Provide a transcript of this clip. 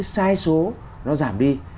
sai số nó giảm đi